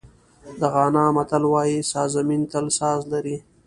د غانا متل وایي سازمېن تل ساز لري.